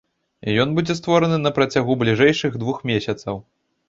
Ён будзе створаны на працягу бліжэйшых двух месяцаў.